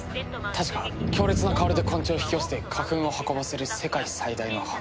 確か強烈な香りで昆虫を引き寄せて花粉を運ばせる世界最大の花。